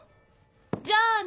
じゃあね。